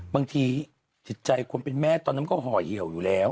บางทีจิตใจคนเป็นแม่ตอนนั้นก็ห่อเหี่ยวอยู่แล้ว